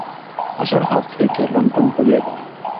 আশার হাত হইতে লণ্ঠন পড়িয়া গেল।